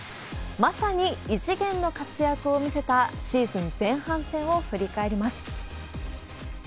まさに異次元の活躍を見せたシーズン前半戦を振り返ります。